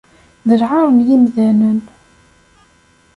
D lɛar n yimdanen.